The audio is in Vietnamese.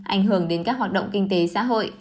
ảnh hưởng đến các hoạt động kinh tế xã hội